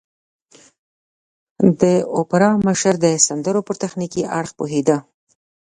د اوپرا مشر د سندرو پر تخنيکي اړخ پوهېده.